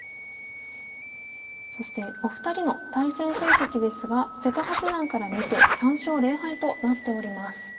そしてお二人の対戦成績ですが瀬戸八段から見て３勝０敗となっております。